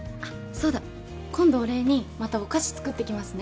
そうだ今度お礼にまたお菓子作ってきますね